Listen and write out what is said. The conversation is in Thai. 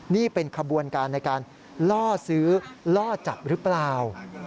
นี่เป็นขบวนการในการล่อซื้อล่อจับหรือเปล่า